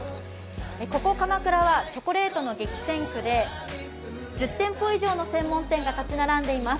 ここ、鎌倉はチョコレートの激戦区で１０店舗以上の専門店が立ち並んでいます。